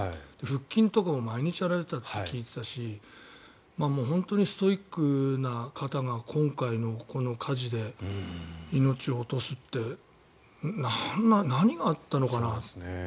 腹筋とかも毎日やられていたと聞いていたし本当にストイックな方が今回のこの火事で命を落とすって何があったのかな。